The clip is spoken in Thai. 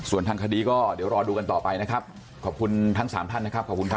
ส่วนทางคดีก็เดี๋ยวรอดูกันต่อไปนะครับขอบคุณทั้งสามท่านนะครับขอบคุณครับ